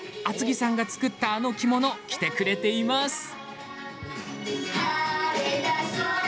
厚木さんが作ったあの着物着てくれています。